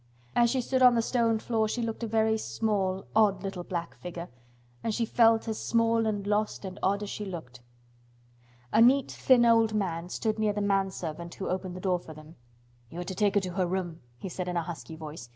As she stood on the stone floor she looked a very small, odd little black figure, and she felt as small and lost and odd as she looked. A neat, thin old man stood near the manservant who opened the door for them. "You are to take her to her room," he said in a husky voice.